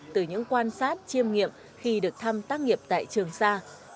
từ những quan sát chiêm nghiệm khi được thăm tác nghiệp tại trường sa